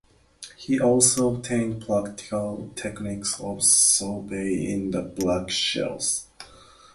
He also obtained practical technique of Solvay in Bruxelles.